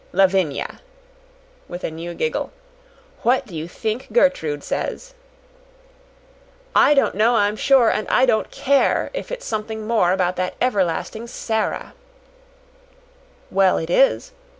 "Lavinia," with a new giggle, "what do you think Gertrude says?" "I don't know, I'm sure; and I don't care if it's something more about that everlasting Sara." "Well, it is.